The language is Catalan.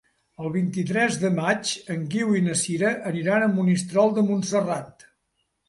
El vint-i-tres de maig en Guiu i na Sira aniran a Monistrol de Montserrat.